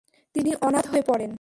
তিনি অনাথ হয়ে পড়েন।